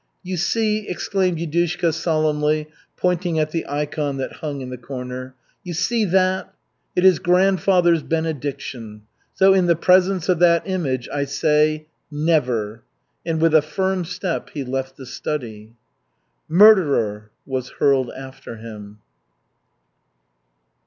"You see," exclaimed Yudushka solemnly, pointing at the ikon that hung in the corner, "You see that? It is grandfather's benediction. So, in the presence of that image I say, Never!" And with a firm step he left the study. "Murderer!" was hurled after him.